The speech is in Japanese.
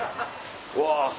うわ。